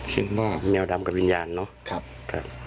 คิดว่าแมวดำกับวิญญาณเนาะ